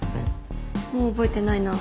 もう覚えてないな。